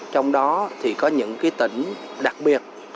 trong đó thì có những cái tỉnh đặc biệt